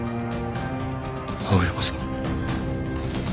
青山さん。